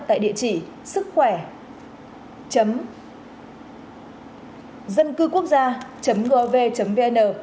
tại địa chỉ sức khỏe dâncưquốc gia gov vn